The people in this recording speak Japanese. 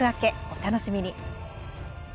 お楽しみに。